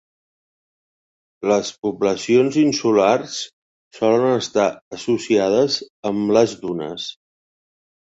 Les poblacions insulars solen estar associades amb les dunes.